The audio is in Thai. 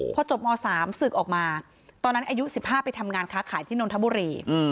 พอจบม๓ศึกออกมาตอนนั้นอายุ๑๕ไปทำงานค้าขายที่นนทบุรี